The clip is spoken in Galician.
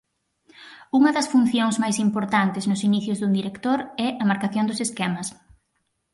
Unha das funcións máis importantes nos inicios dun director é a marcación dos esquemas.